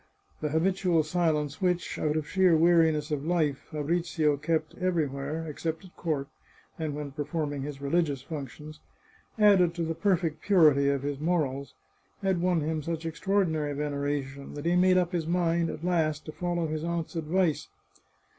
The ha bitual silence which, out of sheer weariness of life, Fabrizio kept everywhere, except at court, and when performing his religious functions, added to the perfect purity of his morals, had won him such extraordinary veneration that he made up his mind, at last, to follow his aunt's advice.